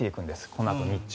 このあと、日中。